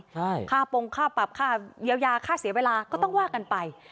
ใช่ค่าปงค่าปรับค่าเยียวยาค่าเสียเวลาก็ต้องว่ากันไป